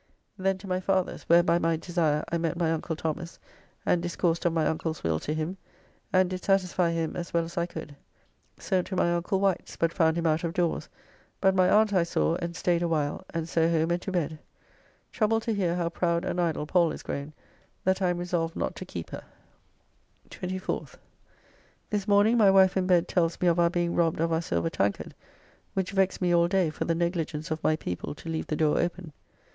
Then to my father's, where by my desire I met my uncle Thomas, and discoursed of my uncle's will to him, and did satisfy [him] as well as I could. So to my uncle Wight's, but found him out of doors, but my aunt I saw and staid a while, and so home and to bed. Troubled to hear how proud and idle Pall is grown, that I am resolved not to keep her. 24th. This morning my wife in bed tells me of our being robbed of our silver tankard, which vexed me all day for the negligence of my people to leave the door open.